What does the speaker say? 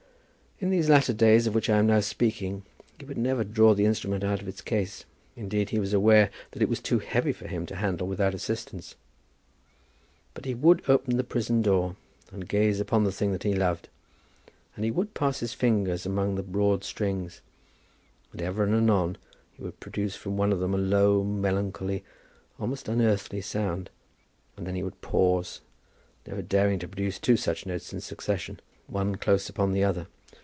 In these latter days of which I am now speaking he would never draw the instrument out of its case. Indeed he was aware that it was too heavy for him to handle without assistance. But he would open the prison door, and gaze upon the thing that he loved, and he would pass his fingers among the broad strings, and ever and anon he would produce from one of them a low, melancholy, almost unearthly sound. And then he would pause, never daring to produce two such notes in succession, one close upon the other.